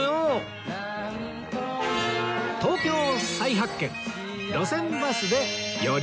東京再発見